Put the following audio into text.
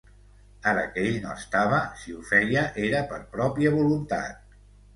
Ara que ell no estava, si ho feia, era per pròpia voluntat.